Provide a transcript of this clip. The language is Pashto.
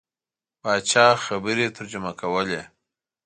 پاچا خبرې ترجمه کولې.